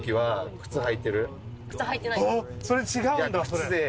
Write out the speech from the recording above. あそれ違うんだ。